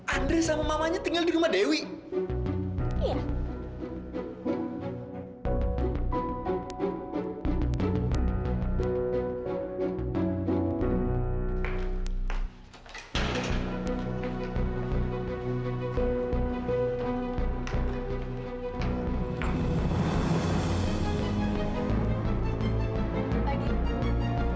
andres sama mamanya tinggal di rumah dewi